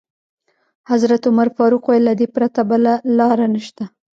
حضرت عمر فاروق وویل: له دې پرته بله لاره نشته.